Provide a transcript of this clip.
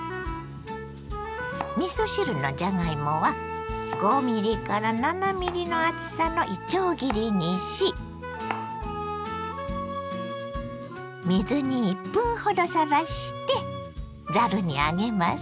みそ汁のじゃがいもは５７ｍｍの厚さのいちょう切りにし水に１分ほどさらしてざるに上げます。